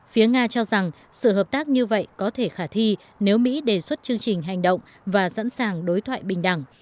phía nga cho rằng sự hợp tác như vậy có thể khả thi nếu mỹ đề xuất chương trình hành động và sẵn sàng đối thoại bình đẳng